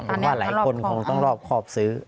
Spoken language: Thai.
ผมว่าหลายคนคงต้องรอบครอบซื้อ